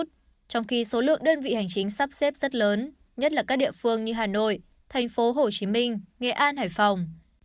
trong khi số lượng đơn vị hành chính sắp xếp rất lớn nhất là các địa phương như hà nội thành phố hồ chí minh nghệ an hải phòng